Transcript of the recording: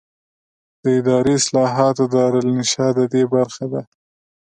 د اداري اصلاحاتو دارالانشا ددې برخه ده.